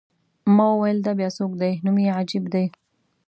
ما وویل: دا بیا څوک دی؟ نوم یې عجیب دی.